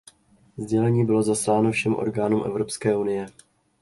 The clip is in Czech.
Sdělení bylo zasláno všem orgánům Evropské unie.